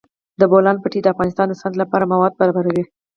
د بولان پټي د افغانستان د صنعت لپاره مواد برابروي.